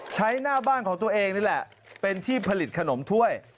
หน้าบ้านของตัวเองนี่แหละเป็นที่ผลิตขนมถ้วย